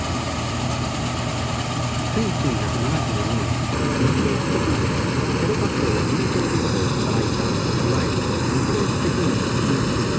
「１９７２年西ドイツ国内でテロ活動や銀行強盗を働いたいわゆる西ドイツ赤軍を急襲。